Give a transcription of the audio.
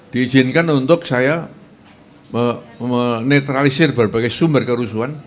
diizinkan untuk saya menetralisir berbagai sumber kerusuhan